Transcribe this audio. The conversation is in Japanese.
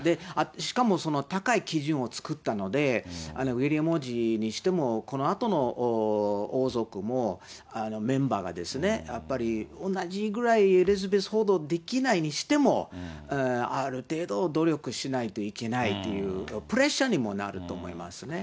しかも高い基準を作ったので、ウィリアム王子にしても、このあとの王族も、メンバーが、やっぱり同じぐらい、エリザベスほど、できないにしても、ある程度、努力しないといけないという、プレッシャーにもなると思いますね。